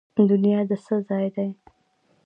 دنیا د څه ځای دی؟